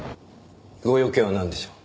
ご用件はなんでしょう？